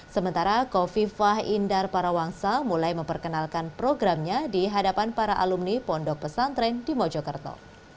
sementara kofifah indar parawangsa mulai memperkenalkan programnya di hadapan para alumni pondok pesantren di mojokerto